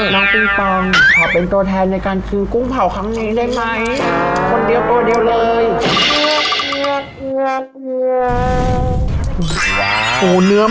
น้องติ้งปังขอเป็นตัวแทนในการคืนกุ้งเผาครั้งนี้ได้ไหม